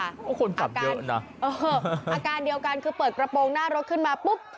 โอ้โหอาการเดียวกันคือเปิดกระโปรงหน้ารถขึ้นมาปุ๊บ